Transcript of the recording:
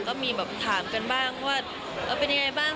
ก็มีแบบถามกันบ้างว่าเป็นยังไงบ้าง